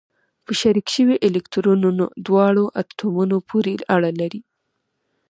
په شریک شوي الکترونونه دواړو اتومونو پورې اړه لري.